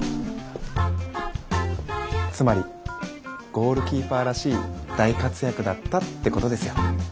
つまりゴールキーパーらしい大活躍だったってことですよ。